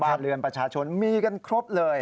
เรือนประชาชนมีกันครบเลย